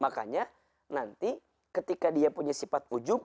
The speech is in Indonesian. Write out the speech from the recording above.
makanya nanti ketika dia punya sifat ujum